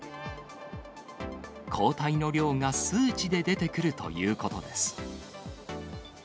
抗体の量が数値で出てくるということです。